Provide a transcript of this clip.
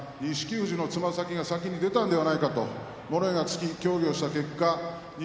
富士のつま先が先に出たのではないかと物言いがつき協議をしましたが錦